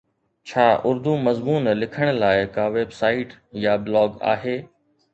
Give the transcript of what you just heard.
ڇا اردو مضمون لکڻ لاءِ ڪا ويب سائيٽ يا بلاگ آهي؟